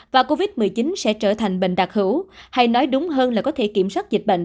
và covid một mươi chín sẽ trở thành bệnh đặc hữu hay nói đúng hơn là có thể kiểm soát dịch bệnh